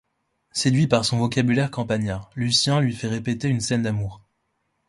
Séduit par son vocabulaire campagnard, Lucien lui fait répéter une scène d'amour.